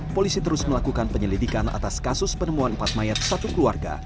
polisi terus melakukan penyelidikan atas kasus penemuan empat mayat satu keluarga